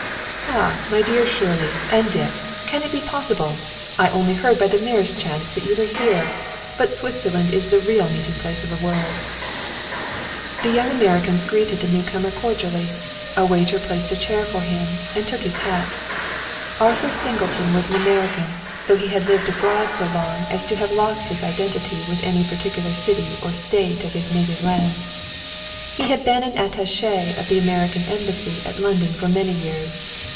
"Ah, my dear Shirley, and Dick! Can it be possible! I only heard by the merest chance that you were here. But Switzerland is the real meeting place of the world." The young Americans greeted the new comer cordially. A waiter placed a chair for him, and took his hat. Arthur Singleton was an American, though he had lived abroad so long as to have lost his identity with any particular city or state of his native land. He had been an attaché of the American embassy at London for many years.